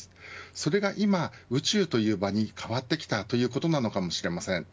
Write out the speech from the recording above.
それが今、宇宙という場に変わってきたということなのかもしれません。